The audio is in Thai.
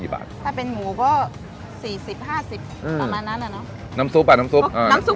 คนที่มาทานอย่างเงี้ยควรจะมาทานแบบคนเดียวนะครับ